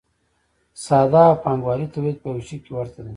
ساده او پانګوالي تولید په یوه شي کې ورته دي.